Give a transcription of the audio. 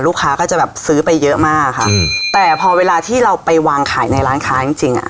ก็จะแบบซื้อไปเยอะมากค่ะอืมแต่พอเวลาที่เราไปวางขายในร้านค้าจริงจริงอ่ะ